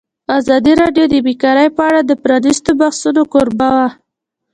ازادي راډیو د بیکاري په اړه د پرانیستو بحثونو کوربه وه.